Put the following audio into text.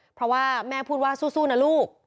เพราะว่าแม่พูดว่าสู้นะลูก